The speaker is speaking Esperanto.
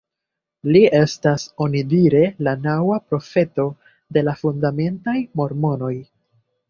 Li estas onidire la naŭa profeto de la fundamentaj mormonoj.